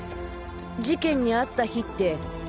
事件に遭った日って。